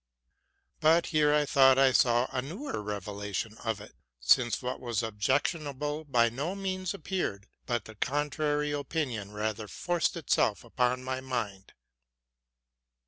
But here I thought I saw a new revelation of it, since what was objec 320 TRUTH AND FICTION tionable by no means appeared, but the contrary opinion rather forced itself upon my mind.